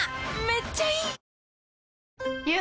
めっちゃいい！